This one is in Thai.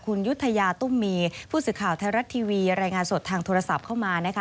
คุณยุธยาตุ้มมีผู้สื่อข่าวไทยรัฐทีวีรายงานสดทางโทรศัพท์เข้ามานะคะ